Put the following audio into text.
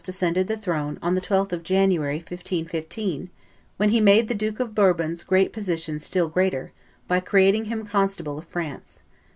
ascended the throne, on the 12th of January, 1515, when he made the Duke of Bourbon's great position still greater by creating him constable of France.